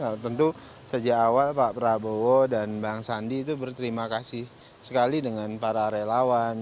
nah tentu sejak awal pak prabowo dan bang sandi itu berterima kasih sekali dengan para relawan